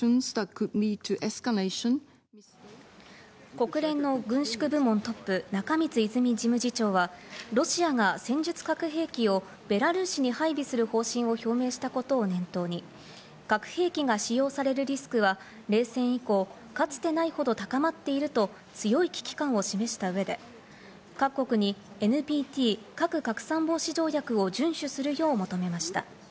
国連の軍縮部門トップ、中満泉事務次長はロシアが戦術核兵器をベラルーシに配備する方針を表明したことを念頭に、核兵器が使用されるリスクは冷戦以降かつてないほど高まっていると、強い危機感を示した上で各国にＮＰＴ＝核拡散防止条約を順守するよう求めました。